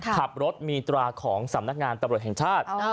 ขับรถมีตราของสำนักงานตำรวจแห่งชาติ